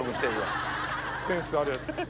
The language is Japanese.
センスあるやつ。